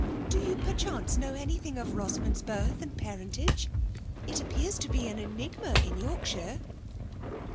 " Do you, perchance, know any thing of Rosamond's birth and parentage ? It Bp pears to be an enigma in Yorkshire."